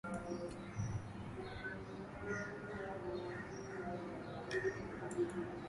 Ndege imewasili